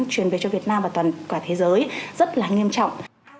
truyền về cho việt nam và toàn cả thế giới rất là nghiêm trọng